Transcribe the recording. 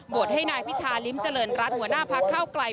ให้นายพิธาริมเจริญรัฐหัวหน้าพักเก้าไกล